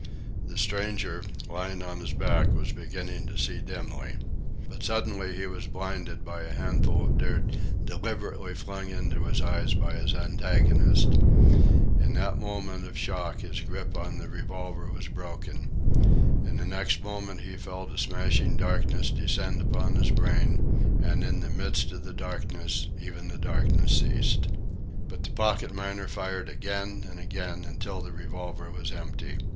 The stranger, lying on his back, was beginning to see dimly. But suddenly he was blinded by a handful of dirt deliberately flung into his eyes by his antagonist. In that moment of shock his grip on the revolver was broken. In the next moment he felt a smashing darkness descend upon his brain, and in the midst of the darkness even the darkness ceased. But the pocket miner fired again and again, until the revolver was empty.